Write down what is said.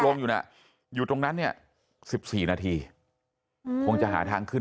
ทรงอยู่อยู่ตรงนั่นสิบสี่นาทีคงจะหาทางขึ้น